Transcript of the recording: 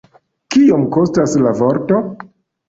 Kiom kostas la vorto?